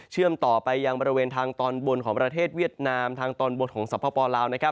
เชื่อมต่อไปยังบริเวณทางตอนบนของประเทศเวียดนามทางตอนบนของสภพลาว